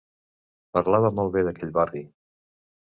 Parlava molt bé d'aquell barri.